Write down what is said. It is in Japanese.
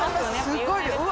すごい量！